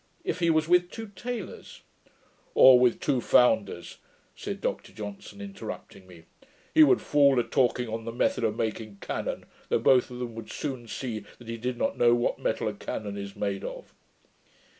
If he was with two taylors...' 'Or with two founders,' said Dr Johnson, interrupting me, 'he would fall a talking on the method of making cannon, though both of them would soon see that he did not know what metal a cannon is made of.'